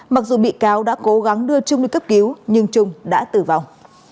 mặc dù bị cáo đã cố gắng đưa trung đi cấp cứu nhưng trung đã tử vong